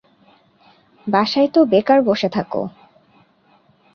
বাসায় তো বেকার বসে থাকো।